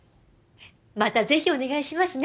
またぜひお願いしますね。